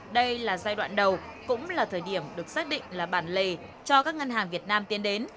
đây là giai đoạn đầu cũng là thời điểm được xác định là bản lề cho các ngân hàng việt nam tiến đến